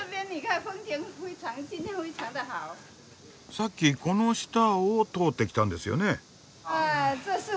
さっきこの下を通ってきたんですよね？